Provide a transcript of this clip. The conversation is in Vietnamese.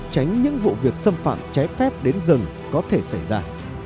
tránh những vụ việc xâm phạm trái phép đến rừng có thể xảy ra